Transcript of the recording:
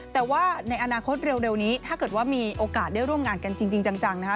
แต่ว่าในอนาคตเร็วนี้ถ้าเกิดว่ามีโอกาสได้ร่วมงานกันจริงจังนะคะ